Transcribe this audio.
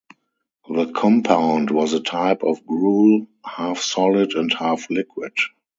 The compound was a type of gruel, half solid and half liquid.